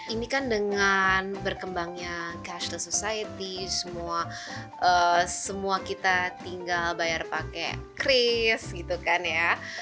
ini kan dengan berkembangnya cashles society semua kita tinggal bayar pakai kris gitu kan ya